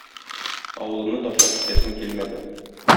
Авылымны ташлап китәсем килмәде.